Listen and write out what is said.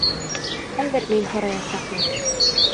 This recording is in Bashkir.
Хәҙер мин һораясаҡмын.